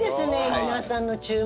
皆さんの注目度。